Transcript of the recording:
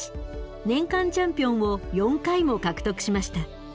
年間チャンピオンを４回も獲得しました。